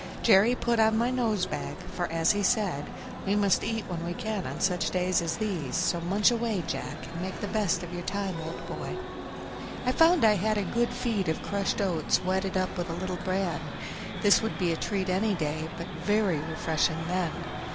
Jerry put on my nose bag, for as he said, "We must eat when we can on such days as these; so munch away, Jack, and make the best of your time, old boy." I found I had a good feed of crushed oats wetted up with a little bran; this would be a treat any day, but very refreshing then.